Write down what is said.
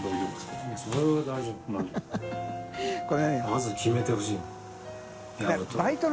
まず決めてほしい。